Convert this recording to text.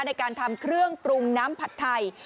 ในการทำเครื่องปรุงน้ำผัดไทย